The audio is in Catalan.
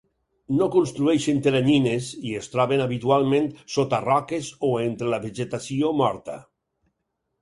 No construeixen teranyines i es troben habitualment sota roques o entre la vegetació morta.